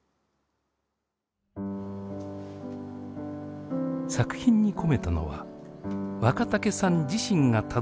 作品に込めたのは若竹さん自身がたどってきた人生。